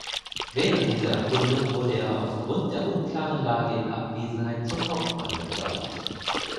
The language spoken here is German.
Während dieser Erkundung wurde er aufgrund der unklaren Lage in Abwesenheit zum Hauptmann befördert.